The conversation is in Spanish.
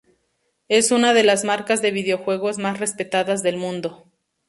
Es una de las marcas de videojuegos más respetadas del mundo.